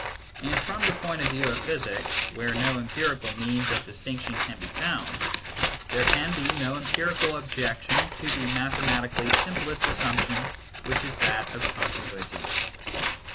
And from the point of view of physics, where no empirical means of distinction can be found, there can be no empirical objection to the mathematically simplest assumption, which is that of continuity.